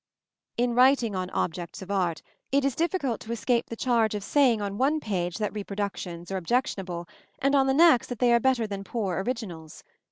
In writing on objects of art, it is difficult to escape the charge of saying on one page that reproductions are objectionable, and on the next that they are better than poor "originals."